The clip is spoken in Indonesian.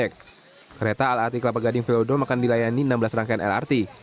kereta lrt kelapa gading velodrome akan dilayani enam belas rangkaian lrt